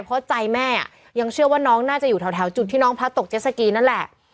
เพราะใจแม่ยังเชื่อว่าน้องน่าจะอยู่แถวจุดที่น้องพระตกเจสสกีนั่นแหละ